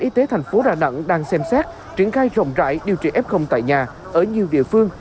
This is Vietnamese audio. y tế thành phố đà nẵng đang xem xét triển khai rộng rãi điều trị f tại nhà ở nhiều địa phương